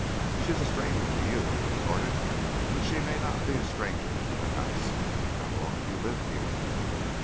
"'She is a stranger to you,' he retorted, 'but she may not be a stranger to the house. How long have you lived here?'